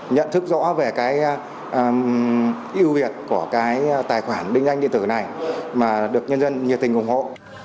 nhận thức rõ về cái ưu việt của cái tài khoản định danh điện tử này mà được nhân dân nhiệt tình ủng hộ